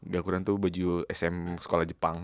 gakuran tuh baju sm sekolah jepang